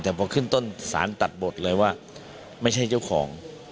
แต่พอขึ้นต้นสารตัดบทเลยว่าไม่ใช่เจ้าของ